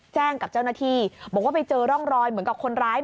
กับเจ้าหน้าที่บอกว่าไปเจอร่องรอยเหมือนกับคนร้าย